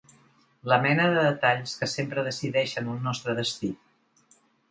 La mena de detalls que sempre decideixen el nostre destí